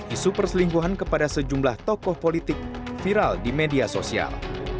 isu perselingkuhan kepada sejumlah tokoh politik viral di media sosial